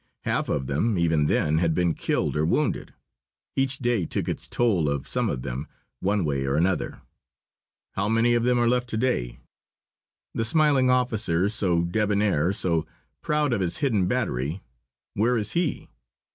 Half of them, even then, had been killed or wounded. Each day took its toll of some of them, one way or another. How many of them are left to day? The smiling officer, so debonair, so proud of his hidden battery, where is he?